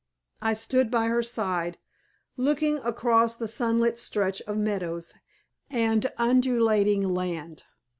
I stood by her side looking across the sunlit stretch of meadows and undulating land.